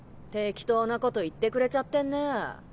適当なこと言ってくれちゃってんねぇ。